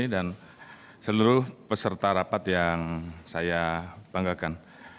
dan seluruh peserta rapat yang saya banggakan